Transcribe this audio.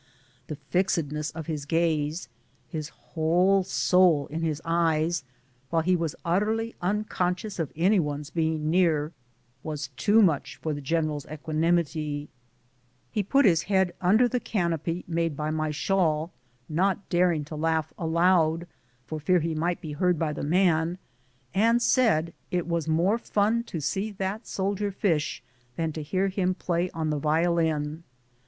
The fixedness of his gaze — his whole soul in his eyes — while he was utterly unconscious of any one being near, was too much for the general's equanimity. 4* 83 BOOTS AND SADDLES. He put his head under the canopy made by my shawl, not daring to laugh aloud, for fear he might be heard by the man, and said it was more fun to see that soldier fish than to hear him play on the violin.